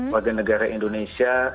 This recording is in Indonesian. warga negara indonesia